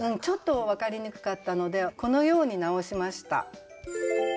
ちょっと分かりにくかったのでこのように直しました。